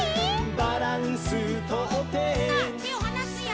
「バランスとって」さあてをはなすよ。